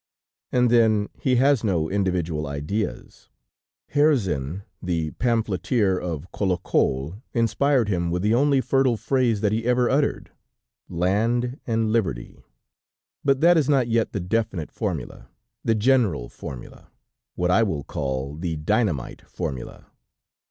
And then, he has no individual ideas. Herzen, the phamphleteer of Kolokol inspired him with the only fertile phrase that he ever uttered: Land and Liberty! But that is not yet the definite formula, the general formula; what I will call, the dynamite formula.